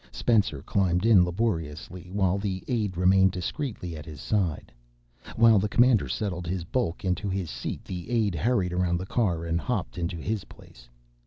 Spencer climbed in laboriously while the aide remained discreetly at his side. While the commander settled his bulk into his seat the aide hurried around the car and hopped into his place.